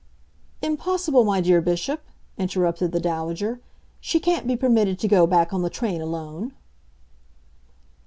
"Impossible, my dear Bishop," interrupted the Dowager. "She can't be permitted to go back on the train alone."